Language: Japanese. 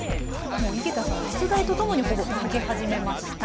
もう井桁さんの出題とともにほぼ書き始めました。